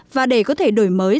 và để có thể đổi mới